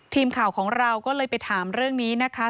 ทีมข่าวของเราก็เลยไปถามเรื่องนี้นะคะ